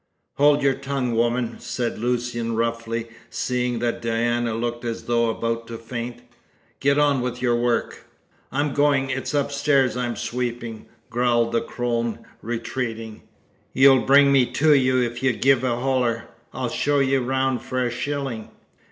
"Hold your tongue, woman!" said Lucian roughly, seeing that Diana looked as though about to faint. "Get on with your work!" "I'm going; it's upstairs I'm sweeping," growled the crone, retreating. "You'll bring me to you if ye give a holler. I'll show ye round for a shilling."